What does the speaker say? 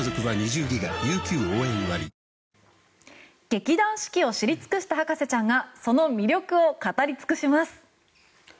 劇団四季を知り尽くした博士ちゃんがその魅力を語り尽くします。